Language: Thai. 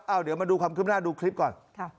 เดี๋ยวมาดูความคืบหน้าดูคลิปก่อน